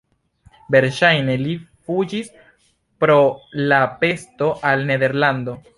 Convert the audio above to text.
Verŝajne li fuĝis pro la pesto al Nederlando.